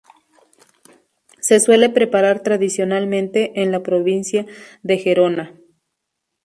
Se suele preparar tradicionalmente en la provincia de Gerona.